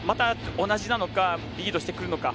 同じなのか、リードしてくるのか。